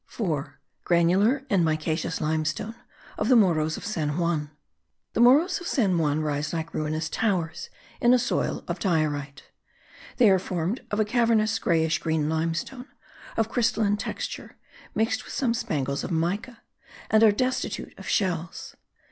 4. GRANULAR AND MICACEOUS LIMESTONE OF THE MORROS OF SAN JUAN. The Morros of San Juan rise like ruinous towers in a soil of diorite. They are formed of a cavernous greyish green limestone of crystalline texture, mixed with some spangles of mica, and are destitute of shells.